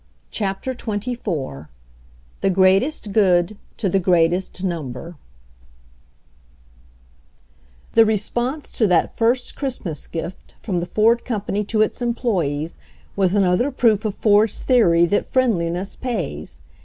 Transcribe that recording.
CHAPTER XXIV y "the greatest good to the greatest number" The response to that first Christmas gift from the Ford company to its employees was another proof of Ford's theory that friendliness pays.